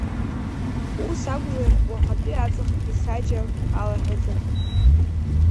Ус акәзар уахатәи аҵыхгьы саџьал алаҳәаӡам.